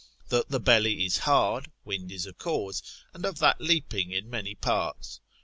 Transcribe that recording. That the belly is hard, wind is a cause, and of that leaping in many parts.